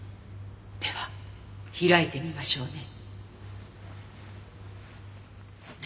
では開いてみましょうね。